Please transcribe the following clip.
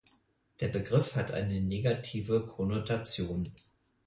Der Begriff hat eine negative Konnotation.